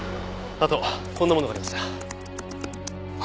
あとこんなものがありました。